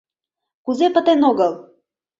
— Кузе пытен огыл?